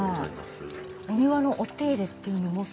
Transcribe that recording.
お庭のお手入れっていうのも。